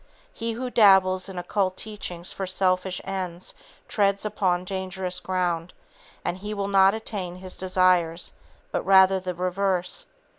He who dabbles in occult teachings for selfish ends treads on dangerous ground, and he will not attain his desires, but rather the reverse.